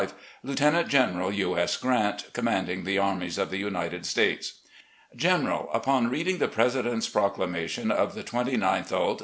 "Lieutenant General U. S. Grant, Commanding the "Armies of the United States. "General: Upon reading the President's proclamation of the 29th ult.